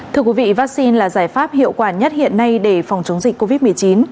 thưa quý vị vaccine là giải pháp hiệu quả nhất hiện nay để phòng chống dịch covid một mươi chín